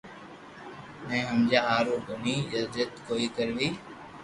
ني ھمجيا ھارون گڙي جدو جھد ڪوئي ڪروي